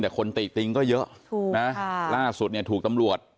แต่คนติติงก็เยอะถูกนะล่าสุดเนี่ยถูกตำรวจ